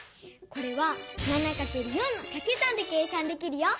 これは７×４のかけ算で計算できるよ！